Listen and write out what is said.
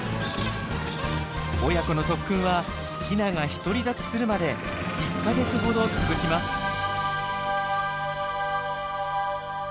親子の特訓はヒナが独り立ちするまで１か月ほど続きます。